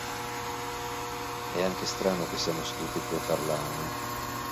È anche strano che siamo sedute qui a parlarne".